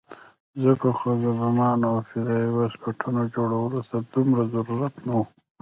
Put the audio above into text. ځکه خو د بمانو او فدايي واسکټونو جوړولو ته دومره ضرورت نه وو.